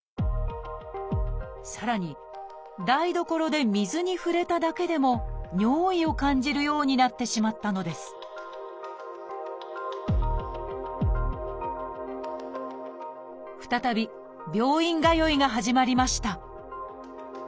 さらに台所で水に触れただけでも尿意を感じるようになってしまったのです再び病院通いが始まりました。